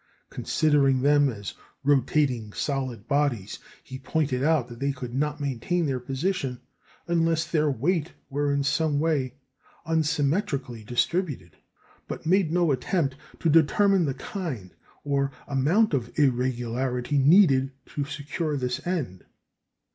Considering them as rotating solid bodies, he pointed out that they could not maintain their position unless their weight were in some way unsymmetrically distributed; but made no attempt to determine the kind or amount of irregularity needed to secure this end.